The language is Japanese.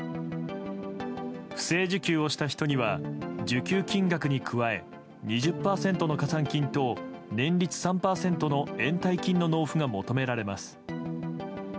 不正受給をした人には受給金額に加え２０％の加算金と年率３％の延滞金の納付が求められます。